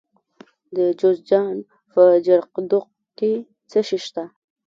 د جوزجان په جرقدوق کې څه شی شته؟